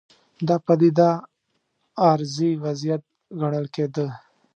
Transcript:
دا پدیده عارضي وضعیت ګڼل کېده.